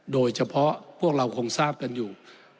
โดยเฉพาะพวกเราคงทราบกันอยู่